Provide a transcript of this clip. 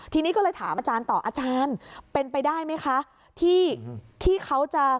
ทีนี้ก็เลยถามอาจารย์ต่ออาจารย์เป็นไปได้ไหมคะที่เขาจะ